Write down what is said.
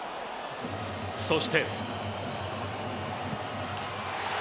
そして。